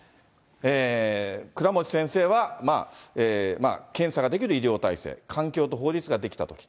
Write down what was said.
倉持先生は、検査ができる医療体制、環境と法律が出来たとき。